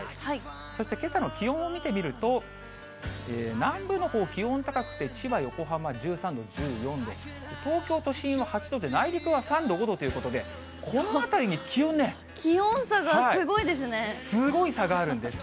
そしてけさの気温を見てみると、南部のほう、気温高くて、千葉、横浜１３度、１４度、東京都心は８度と、内陸は３度、５度ということで、気温差がすごいですね。